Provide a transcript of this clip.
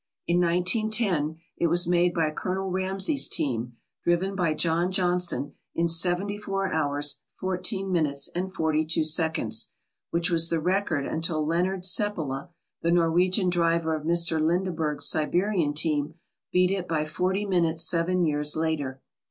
In 1910 it was made by Colonel Ramsey's team, driven by John Johnson, in seventy four hours, fourteen minutes and forty two seconds, which was the record until Leonard Seppala, the Norwegian driver of Mr. Lindeberg's Siberian team, beat it by forty minutes seven years later.